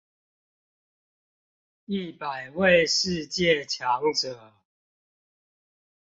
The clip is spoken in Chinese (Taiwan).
一百位世界強者